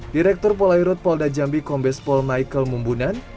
direktur polairut kapolda jambi kombespor michael mumbunan